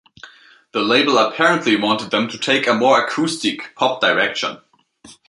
The label apparently wanted them to take a more acoustic, pop direction.